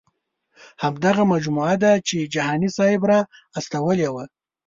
همدغه مجموعه ده چې جهاني صاحب را استولې وه.